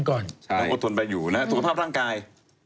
ต้องอดทนไปอยู่นะสุขภาพร่างกาย